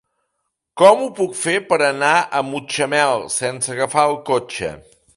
Com ho puc fer per anar a Mutxamel sense agafar el cotxe?